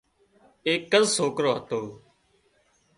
ايڪز سوڪرو هتو